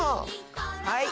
はい。